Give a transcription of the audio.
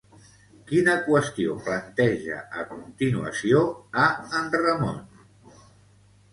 Quina qüestió planteja a continuació a en Ramon?